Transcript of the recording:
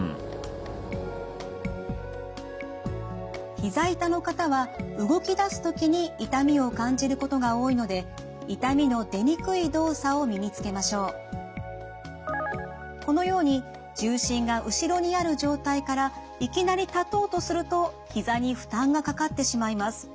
ひざ痛の方は動きだす時に痛みを感じることが多いのでこのように重心が後ろにある状態からいきなり立とうとするとひざに負担がかかってしまいます。